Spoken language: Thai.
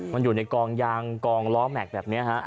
มันอยู่ในกองยางกองล้อแม็กซ์แบบนี้ฮะ